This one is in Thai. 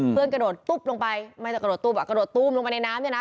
กระโดดตุ๊บลงไปไม่แต่กระโดดตุ๊บอ่ะกระโดดตู้มลงไปในน้ำเนี่ยนะ